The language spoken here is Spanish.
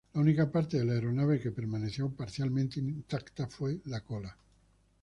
La única parte de la aeronave que permaneció parcialmente intacta fue la cola.